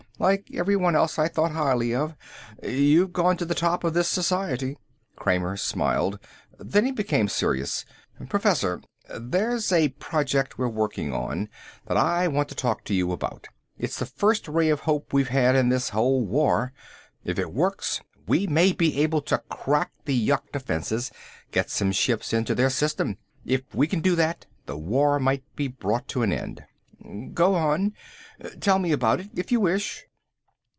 Like everyone else I thought highly of. You've gone to the top in this society." Kramer smiled. Then he became serious. "Professor, there's a project we're working on that I want to talk to you about. It's the first ray of hope we've had in this whole war. If it works, we may be able to crack the yuk defenses, get some ships into their system. If we can do that the war might be brought to an end." "Go on. Tell me about it, if you wish."